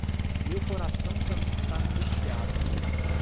Meu coração também está angustiado